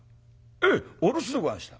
「ええお留守でござんした」。